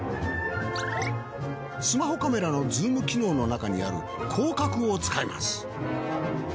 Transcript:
スマホカメラのズーム機能の中にある広角を使います。